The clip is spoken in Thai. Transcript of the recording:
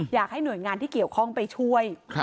อยากให้หน่วยงานที่เกี่ยวข้องไปช่วย